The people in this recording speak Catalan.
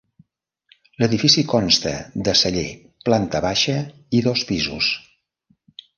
L'edifici consta de celler, planta baixa i dos pisos.